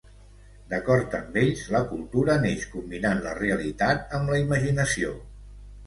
D'acord amb ells, la cultura neix combinant la realitat amb la imaginació.